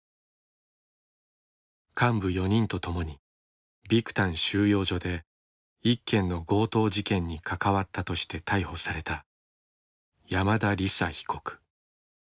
幹部４人と共にビクタン収容所で１件の強盗事件に関わったとして逮捕された山田李沙被告。